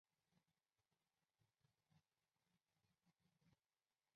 扎巴坚赞兄弟六人只有贡噶勒巴的父亲桑结坚赞娶妻生子。